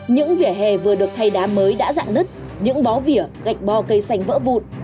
những vỉa hè vừa được thay đá mới đã dạng nứt những bó vỉa gạch bo cây xanh vỡ vụn